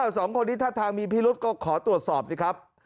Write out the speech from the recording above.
สองคนนี้ท่าทางมีพิรุษก็ขอตรวจสอบสิครับ